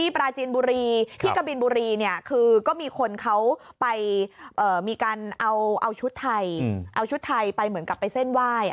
ไปมีการเอาชุดไทยเอาชุดไทยไปเหมือนกลับไปเส้นไหว้